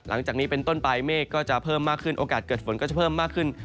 หลังจากนี้เป็นต้นปลายเมฆก็จะเพิ่มมากขึ้นโอกาสเกิดฝนก็จะเพิ่มมากขึ้น